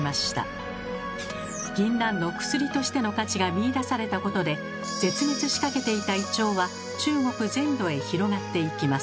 ぎんなんの薬としての価値が見いだされたことで絶滅しかけていたイチョウは中国全土へ広がっていきます。